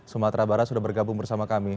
sumatera barat sudah bergabung bersama kami